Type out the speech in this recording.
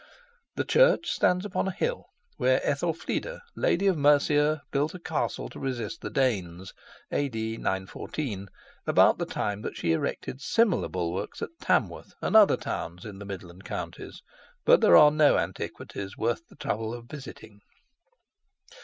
The church stands upon a hill, where Ethelfleda, Lady of Mercia, built a castle to resist the Danes, A.D. 914, about the time that she erected similar bulwarks at Tamworth and other towns in the Midland counties, but there are no antiquities worth the trouble of visiting.